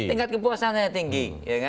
tingkat kepuasannya tinggi